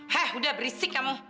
hah udah berisik kamu